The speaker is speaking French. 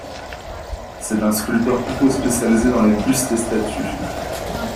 C'est un sculpteur plutôt spécialisé dans les bustes et statues.